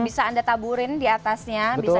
bisa anda taburin diatasnya